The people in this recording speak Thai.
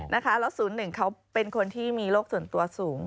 แล้ว๐๑เขาเป็นคนที่มีโรคส่วนตัวสูง